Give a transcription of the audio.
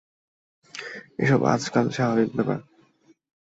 এসব আজকাল স্বাভাবিক ব্যাপার।